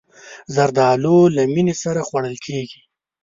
زردالو له مینې سره خوړل کېږي.